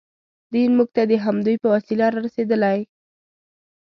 دین موږ ته د همدوی په وسیله رارسېدلی.